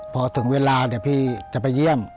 พอถึงเวลาพี่จะไปเยี่ยม